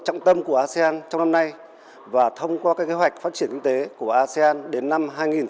quan tâm của asean trong năm nay và thông qua các kế hoạch phát triển kinh tế của asean đến năm hai nghìn hai mươi năm